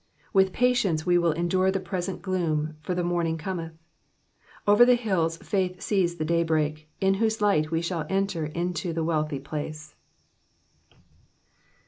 With patience we will endure the present gloom, for the morning cometh. Over the hills faith sees the daybreak, in whose light we shall enter into the wealthy place.